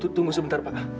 tunggu sebentar pak